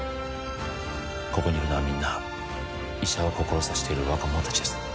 ここにいるのはみんな医者を志している若者達です